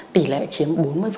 tỷ lệ chiếm bốn mươi